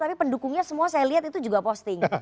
tapi pendukungnya semua saya lihat itu juga posting